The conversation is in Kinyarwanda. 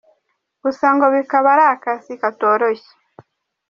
Gusa ngo bikaba ari akazi katoroshye.